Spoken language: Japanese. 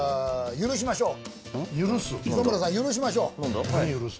許しましょう！